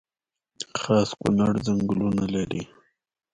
خاص کونړ ځنګلونه لري؟